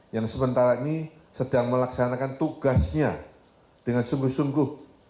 yang sementara ini sedang melaksanakan tugasnya dengan sungguh sungguh